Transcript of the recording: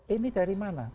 ini dari mana